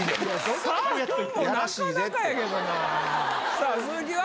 さあ鈴木は？